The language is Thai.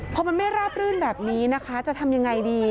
พอมันไม่ราบรื่นแบบนี้นะคะจะทำยังไงดี